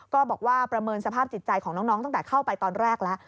บอกว่าประเมินสภาพจิตใจของน้องตั้งแต่เข้าไปตอนแรกแล้ว